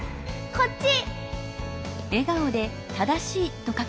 こっち！